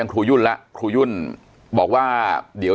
อันดับสุดท้าย